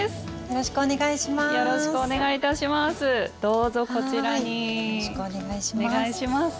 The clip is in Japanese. よろしくお願いします。